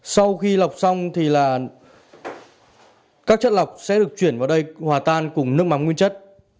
sau khi lọc xong thì là các chất lọc sẽ được chuyển vào đây hòa tan cùng nước mắm nguyên chất